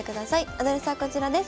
アドレスはこちらです。